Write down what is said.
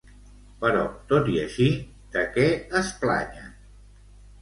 Però tot i així, de què es planyen?